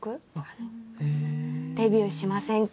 デビューしませんか？